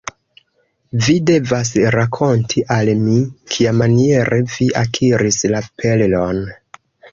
Vi devas rakonti al mi, kiamaniere vi akiris la perlon.